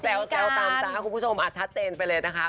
แซวตามตาคุณผู้ชมชัดเจนไปเลยนะคะ